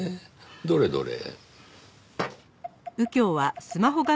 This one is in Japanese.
どれどれ。